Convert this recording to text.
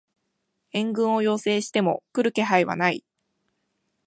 援軍を要請しても来る気配はない